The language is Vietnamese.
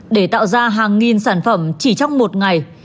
để tạo ra hàng nghìn sản phẩm chỉ trong một ngày